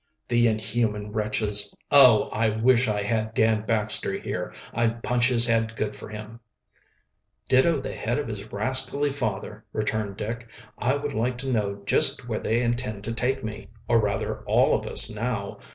"The inhuman wretches! Oh, I wish I had Dan Baxter here I'd punch his head good for him." "Ditto the head of his rascally father," returned Dick. "I would like to know just where they intend to take me or rather all of us, now.